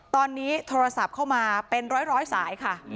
ตอนนี้โทรศัพท์เข้ามาเป็นร้อยสายค่ะ